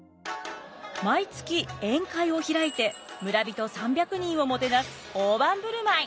毎月宴会を開いて村人３００人をもてなす大盤振る舞い。